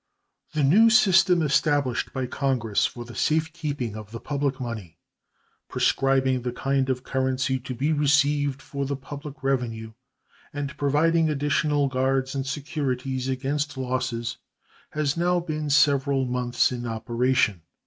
The new system established by Congress for the safe keeping of the public money, prescribing the kind of currency to be received for the public revenue and providing additional guards and securities against losses, has now been several mouths in operation.